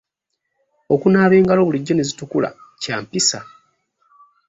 Okunaaba engalo bulijjo ne zitukula kya mpisa.